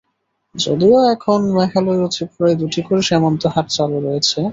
যদিও এখন মেঘালয় ও ত্রিপুরায় দুটি করে সীমান্ত হাট চালু রয়েছে।